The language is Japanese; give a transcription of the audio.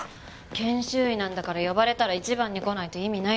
研修医なんだから呼ばれたら一番に来ないと意味ないでしょ。